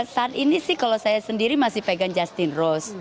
saat ini sih kalau saya sendiri masih pegang justin rose